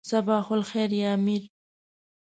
صباح الخیر یا امیر.